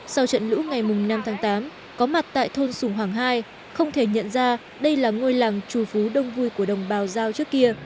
sau trận lũ ngày năm tháng tám có mặt tại thôn sùng hoàng hai không thể nhận ra đây là ngôi làng trù phú đông vui của đồng bào giao trước kia